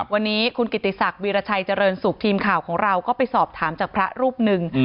วันนี้คุณกิติศักดิราชัยเจริญสุขทีมข่าวของเราก็ไปสอบถามจากพระรูปหนึ่ง